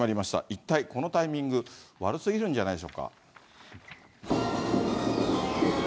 一体このタイミング、悪すぎるんじゃないでしょうか。